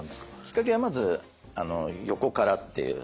きっかけはまず横からっていう。